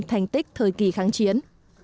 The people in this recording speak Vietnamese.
thành tích thời kỳ kháng chiến